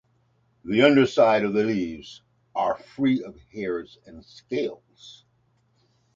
The underside of the leaves are free of hairs and scales.